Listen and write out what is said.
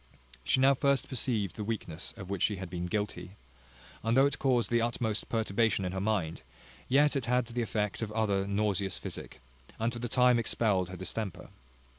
She now first perceived the weakness of which she had been guilty; and though it caused the utmost perturbation in her mind, yet it had the effect of other nauseous physic, and for the time expelled her distemper.